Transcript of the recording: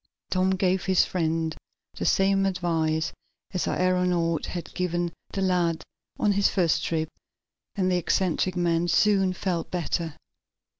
Tom gave his friend the same advice the aeronaut had given the lad on his first trip, and the eccentric man soon felt better.